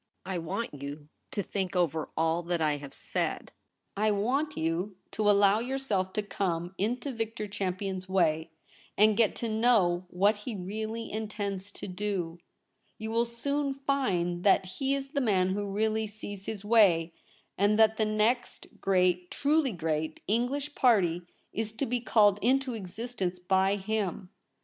I want you to think over all that I have said ; I want you to allow yourself to come in Victor Champion's way, and get to know what he really intends to do. You will soon find that he is the man who really sees his way, and that the next great — truly great — English party is to be called into existence by him.